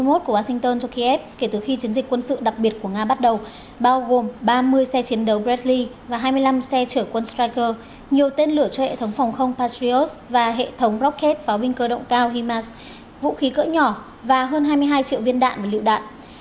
hai mươi một của washington cho kiev kể từ khi chiến dịch quân sự đặc biệt của nga bắt đầu bao gồm ba mươi xe chiến đấu bredli và hai mươi năm xe chở quân streacer nhiều tên lửa cho hệ thống phòng không patriot và hệ thống rocket pháo binh cơ động cao himars vũ khí cỡ nhỏ và hơn hai mươi hai triệu viên đạn và liệu đạn